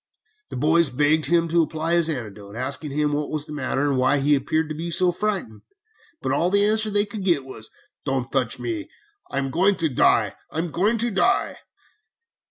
"The boys begged him to apply his antidote, asking him what was the matter and why he appeared to be so frightened, but all the answer they could get was, 'Don't touch me. I am going to die! I'm going to die!'